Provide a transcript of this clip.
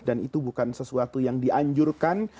dan itu bukan sesuatu yang dianjurkan